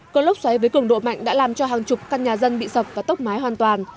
cơn lốc xoáy với cường độ mạnh đã làm cho hàng chục căn nhà dân bị sập và tốc mái hoàn toàn